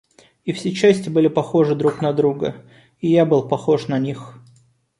И все части были похожи друг на друга, и я был похож на них.